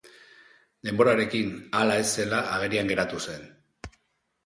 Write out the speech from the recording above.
Denborarekin, hala ez zela agerian geratu zen.